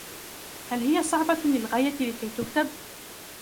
هل هي صعبة للغاية لكي تُكتب؟